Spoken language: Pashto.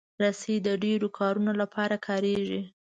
رسۍ د ډیرو کارونو لپاره کارېږي.